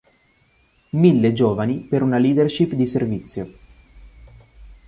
Mille giovani per una leadership di servizio”.